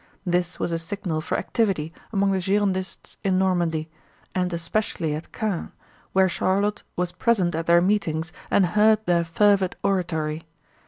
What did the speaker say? This was a signal for activity among the Girondists in Normandy, and especially at Caen, where Charlotte was present at their meetings and heard their fervid oratory.